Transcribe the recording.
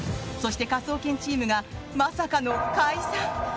そして科捜研チームがまさかの解散？